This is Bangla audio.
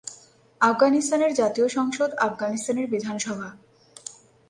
আফগানিস্তানের জাতীয় সংসদ আফগানিস্তানের বিধানসভা।